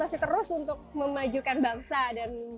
masih terus untuk memajukan bangsa dan